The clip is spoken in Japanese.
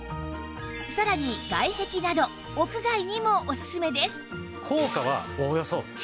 さらに外壁など屋外にもオススメです